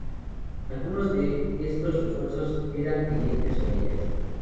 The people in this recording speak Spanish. Algunos de estos refuerzos eran clientes omeyas.